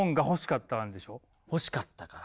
欲しかったから？